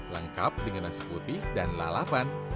lengkap dengan nasi putih dan lalapan